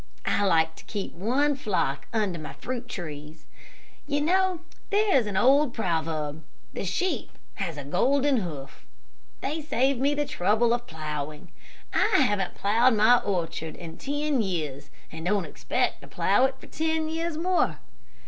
I like to keep one flock under my fruit trees. You know there is an old proverb, 'The sheep has a golden hoof.' They save me the trouble of ploughing. I haven't ploughed my orchard for ten years, and don't expect to plough it for ten years more.